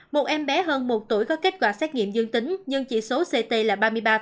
một em bé hơn một tuổi có kết quả xét nghiệm dương tính nhưng chỉ số ct là ba mươi ba